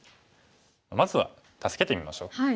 まずは助けてみましょう。